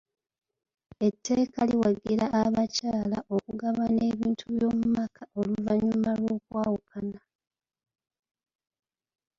Etteeka liwagira abakyala okugabana ebintu by'omu maka oluvannyuma lw'okwawukana.